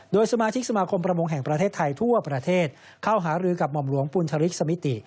โดยสมาชิกสมาคมประมงแห่งประเทศไทยทั่วประเทศเข้าหารือกับหม่อมหลวงปุณธริกสมิติ